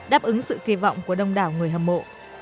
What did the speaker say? đáp ứng sự kỳ vọng của đông đảo người hâm mộ